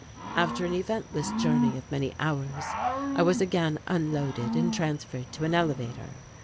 After an eventless journey of many hours I was again unloaded and transferred to an elevator.